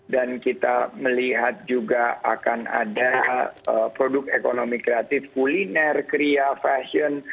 dan kita melihat juga akan ada produk ekonomi kreatif kuliner kria fashion